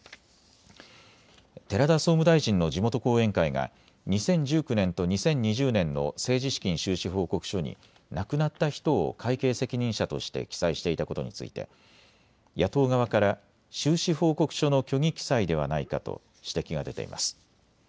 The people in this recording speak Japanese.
寺田総務大臣の地元後援会が２０１９年と２０２０年の政治資金収支報告書に亡くなった人を会計責任者として記載していたことについて野党側から収支報告書の虚偽記載ではないかと指摘が出ています。